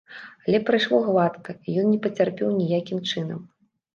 Але прайшло гладка, ён не пацярпеў ніякім чынам.